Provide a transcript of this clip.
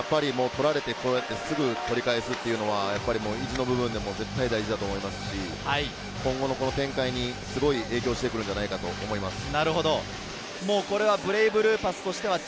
取られてすぐ取り返すというのは、意地の部分で絶対大事だと思いますし、今後の展開にすごい影響してくるんじゃないかと思います。